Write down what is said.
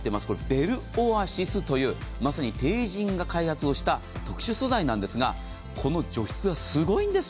ベルオアシスというまさにＴＥＩＪＩＮが開発をした特殊素材なんですがこの除湿がすごいんです。